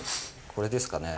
これですかね。